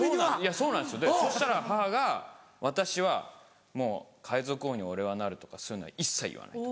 そうなんですよそしたら母が「私はもう『海賊王に俺はなる』とかそういうのは一切言わない」と。